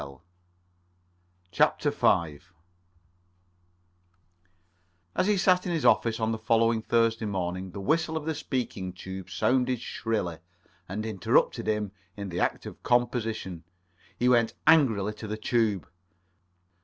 [Pg 33] CHAPTER V As he sat in his office on the following Thursday morning, the whistle of the speaking tube sounded shrilly and interrupted him in the act of composition. He went angrily to the tube.